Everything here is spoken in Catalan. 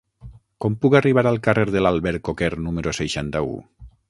Com puc arribar al carrer de l'Albercoquer número seixanta-u?